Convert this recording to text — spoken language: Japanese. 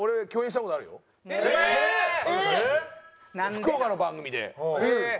福岡の番組で。